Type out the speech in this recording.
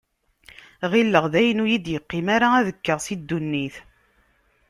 Ɣilleɣ dayen ur yi-d-yeqqim ara ad kkeɣ si ddunit.